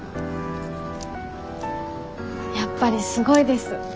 やっぱりすごいです。